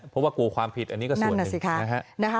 เพราะว่ากลัวความผิดอันนี้ก็ส่วนหนึ่งนะฮะ